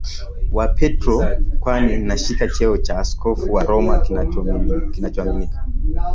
wa Petro kwani anashika cheo cha Askofu wa Roma kinachoaminika